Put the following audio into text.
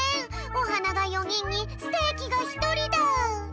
おはなが４にんにステーキがひとりだ。